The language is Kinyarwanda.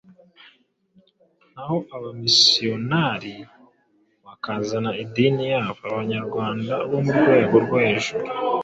naho abamisiyonari bakazana idini yabo, Abanyarwanda bo mu rwego rwo hejuru